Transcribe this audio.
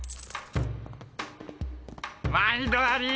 まいどあり。